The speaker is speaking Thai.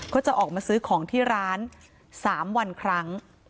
ก็จะออกมาซื้อของที่ร้าน๓วันครั้ง